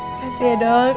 makasih ya dok